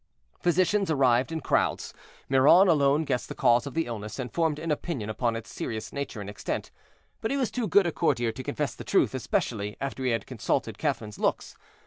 Physicians arrived in crowds; Miron alone guessed the cause of the illness, and formed an opinion upon its serious nature and extent; but he was too good a courtier to confess the truth, especially after he had consulted Catherine's looks.